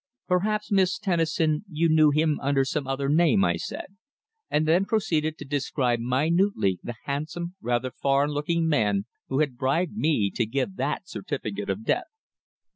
"Perhaps, Miss Tennison, you knew him under some other name," I said, and then proceeded to describe minutely the handsome, rather foreign looking man who had bribed me to give that certificate of death.